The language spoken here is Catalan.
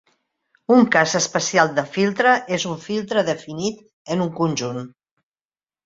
Un cas especial de filtre és un filtre definit en un conjunt.